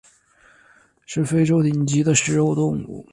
是非洲顶级的食肉动物。